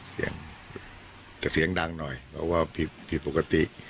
เสียงแต่เสียงดังหน่อยเพราะว่าผิดปกติ